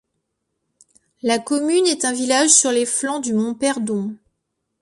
La commune est un village sur les flancs du mont Perdon.